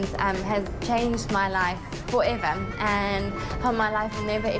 กลายเป็นเกี่ยงอย่างเก่าและชีวิตมันได้ก